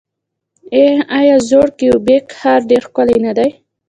آیا زوړ کیوبیک ښار ډیر ښکلی نه دی؟